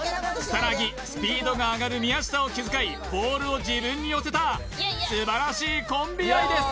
草薙スピードが上がる宮下を気遣いボールを自分に寄せた素晴らしいコンビ愛です！